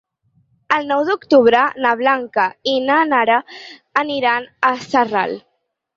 El nou d'octubre na Blanca i na Nara aniran a Sarral.